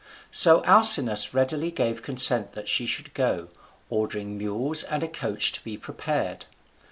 So Alcinous readily gave consent that she should go, ordering mules and a coach to be prepared.